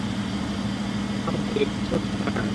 কিন্তু রাহুল তুমি বুঝতে চেষ্টা করছো না কেন।